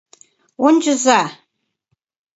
Ончыза: